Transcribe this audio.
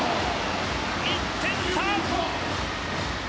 １点差。